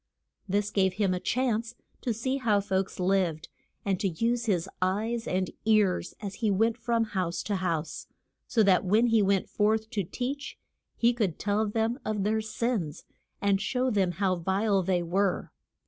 This gave him a chance to see how folks lived, and to use his eyes and ears as he went from house to house, so that when he went forth to teach he could tell them of their sins, and show them how vile they were.